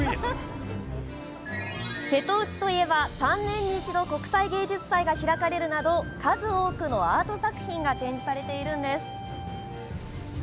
瀬戸内といえば３年に一度国際芸術祭が開かれるなど数多くのアート作品が展示されているんです。